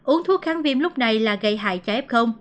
uống thuốc kháng viêm lúc này là gây hại cho ép không